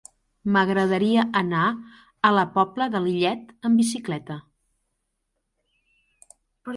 M'agradaria anar a la Pobla de Lillet amb bicicleta.